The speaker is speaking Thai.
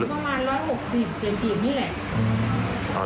สูงประมาณ๑๖๐กันครึ่ง๗๐นี่แหละ